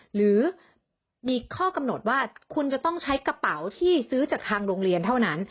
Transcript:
หรือมีข้อกำหนดว่าคุณจะต้องใช้กระเป๋าที่ซื้อจากทางโรงเรียนเท่านั้น